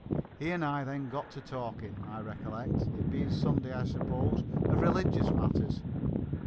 He and I then got talking, I recollect, it being Sunday, I suppose, of religious matters.